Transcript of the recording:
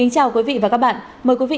cảm ơn các bạn đã theo dõi